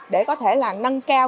để có thể là nâng cao